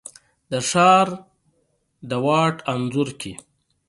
د ښار د واټ انځور کي،